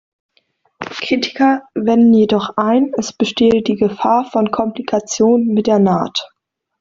Kritiker wenden jedoch ein, es bestehe die Gefahr von Komplikationen mit der Naht.